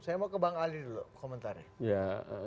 saya mau ke bang ali dulu komentarnya